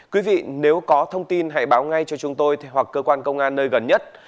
quý vị nếu có thông tin hãy báo ngay cho chúng tôi hoặc cơ quan công an nơi gần nhất